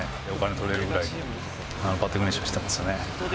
取れるぐらいバッティング練習してましたね。